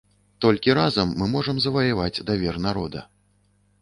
Толькі разам мы можам заваяваць давер народа.